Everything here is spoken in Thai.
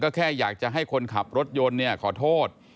ก็แค่อยากจะให้คนขับรถยนต์ขอโทษ